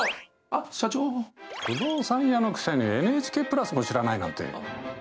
不動産屋のくせにＮＨＫプラスも知らないなんて。